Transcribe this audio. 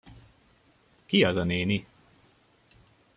Ki az a néni?